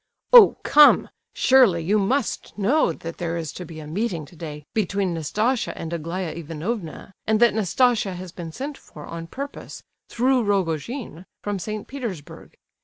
"Oh—come! Surely you must know that there is to be a meeting today between Nastasia and Aglaya Ivanovna, and that Nastasia has been sent for on purpose, through Rogojin, from St. Petersburg?